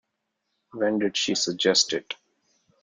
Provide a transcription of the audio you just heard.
When did she suggest it?